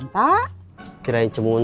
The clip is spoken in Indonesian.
nah padahal cepat